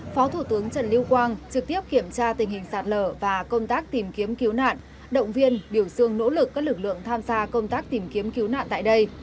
phó thủ tướng trần lưu quang trực tiếp kiểm tra tình hình sạt lở và công tác tìm kiếm cứu nạn động viên biểu dương nỗ lực các lực lượng tham gia công tác tìm kiếm cứu nạn tại đây